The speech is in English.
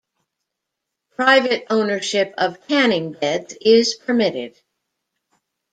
Private ownership of tanning beds is permitted.